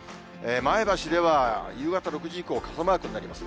前橋では夕方６時以降、傘マークになります。